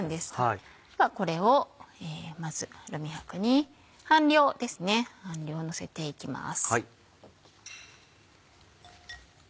ではこれをまずアルミ箔に半量ですね半量のせていきます。